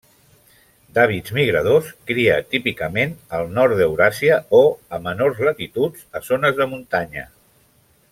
D'hàbits migradors, cria típicament al nord d'Euràsia o a menors latituds a zones de muntanya.